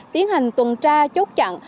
tiến hành tuần tra chốt chặn